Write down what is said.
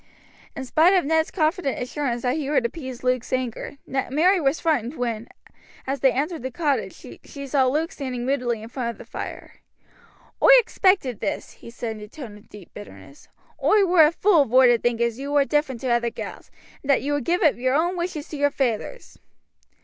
In spite of Ned's confident assurance that he would appease Luke's anger, Mary was frightened when, as they entered the cottage, she saw Luke standing moodily in front of the fire. "Oi expected this," he said in a tone of deep bitterness. "Oi were a fool vor to think as you war different to other gals, and that you would give up your own wishes to your feyther's."